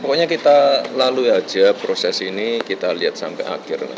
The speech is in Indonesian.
pokoknya kita lalu saja proses ini kita lihat sampai akhir nanti ya